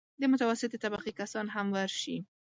د متوسطې طبقې کسان هم ورشي.